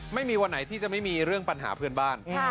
ไม่มีวันไหนที่จะไม่มีเรื่องปัญหาเพื่อนบ้าน